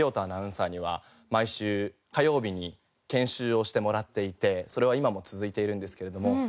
アナウンサーには毎週火曜日に研修をしてもらっていてそれは今も続いているんですけれども。